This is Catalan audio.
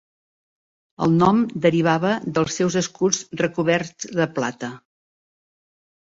El nom derivava dels seus escuts recoberts de plata.